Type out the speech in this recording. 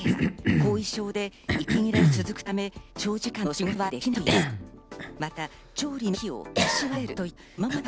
後遺症で息切れが続くため、長時間の仕事はできないと言います。